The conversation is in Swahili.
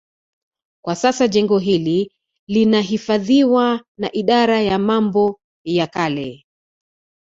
Kwa sasa jengo hili linahifadhiwa na Idara ya Mambo ya Kale